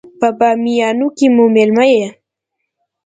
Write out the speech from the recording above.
په بامیانو کې مو مېلمه يې.